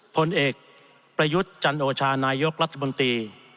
ผลเอกประยุทธ์จันโอชานายกรัฐมนตรี